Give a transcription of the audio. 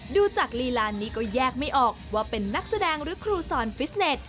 ดูจากลีลานี้ก็แยกไม่ออกว่าเป็นนักแสดงหรือครูสอนฟิสเน็ต